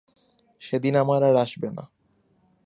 সেদিন আমার আর আসবে না।